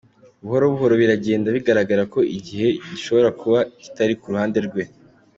Buhoro buhoro biragenda bigaragara ko igihe gishobora kuba kitari ku ruhande rwe.